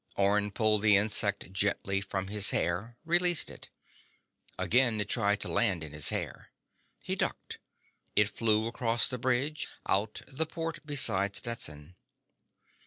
Orne pulled the insect gently from his hair, released it. Again it tried to land in his hair. He ducked. It flew across the bridge, out the port beside Stetson.